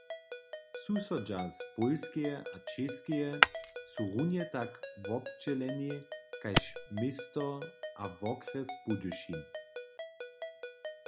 Susodźa z Pólskeje a Čěskeje su runje tak wobdźěleni kaž město a wokrjes Budyšin.